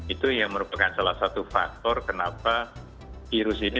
itu yang merupakan salah satu faktor kenapa virus ini